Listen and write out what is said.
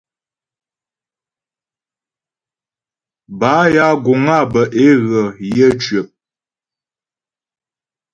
Bâ ya guŋ á bə́ é ghə yə̌ cwəp.